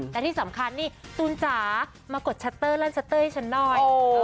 แต่ที่สำคัญนี่ตูนจ๋ามากดชัตเตอร์แล่นชัตเตอร์ให้ฉันหน่อย